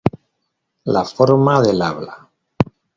La forma del habla.